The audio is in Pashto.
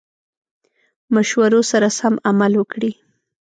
مشورو سره سم عمل وکړي.